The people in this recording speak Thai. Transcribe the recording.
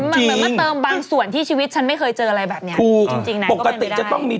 มันเหมือนเติมบางส่วนที่ชีวิตฉันไม่เคยเจออะไรแบบนี้